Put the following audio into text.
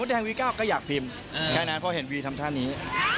แดงวี๙ก็อยากพิมพ์แค่นั้นเพราะเห็นวีทำท่านี้